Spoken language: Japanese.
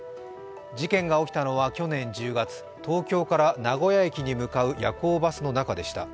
事件が起きたのは去年１０月、東京から名古屋駅に向かう夜行バスの中でした。